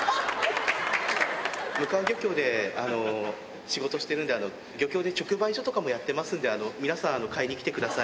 鵡川漁協で仕事してるんで、漁協で直売所とかもやってますんで、皆さん買いに来てください。